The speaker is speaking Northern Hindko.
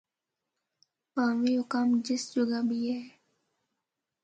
پاویں او کم جس جوگا بھی اے۔